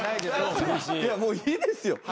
もういいですよ。